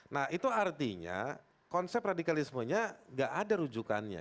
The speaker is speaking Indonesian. nah itu artinya konsep radikalismenya nggak ada rujukannya